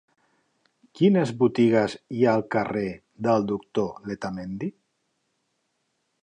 Quines botigues hi ha al carrer del Doctor Letamendi?